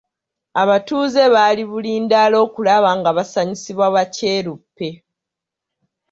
Abatuuze bali bulindaala okulaba nga basanyusibwa ba kyeruppe.